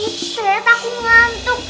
ikset aku ngantuk